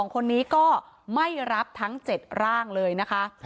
๒คนนี้ก็ไม่รับทั้ง๗ร่างเลยนะคะ